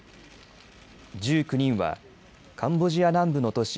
１９人はカンボジア南部の都市